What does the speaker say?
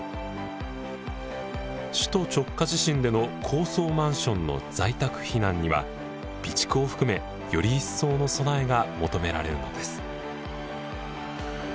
首都直下地震での高層マンションの在宅避難には備蓄を含めより一層の備えが求められるのです。